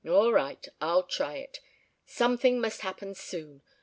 "All right. I'll try it. Something must happen soon.